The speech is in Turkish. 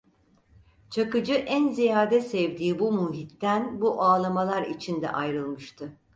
Çakıcı en ziyade sevdiği bu muhitten bu ağlamalar içinde ayrılmıştı.